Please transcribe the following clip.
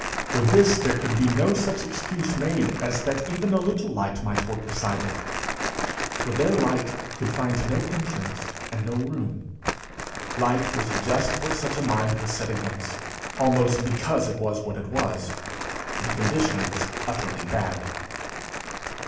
For this there could be no such excuse made as that even a little light might work beside it; for there light could find no entrance and no room; light was just what such a mind was set against, almost because it was what it was. The condition was utterly bad.